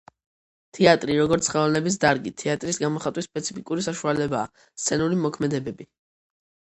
თეატრი, როგორც ხელოვნების დარგი. თეატრის გამოხატვის სპეციფიკური საშუალებაა სცენური მოქმედებები